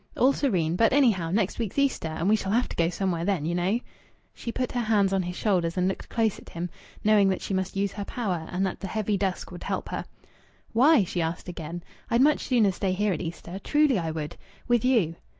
"All serene. But, anyhow, next week's Easter, and we shall have to go somewhere then, you know." She put her hands on his shoulders and looked close at him, knowing that she must use her power and that the heavy dusk would help her. "Why?" she asked again. "I'd much sooner stay here at Easter. Truly I would!... With you!"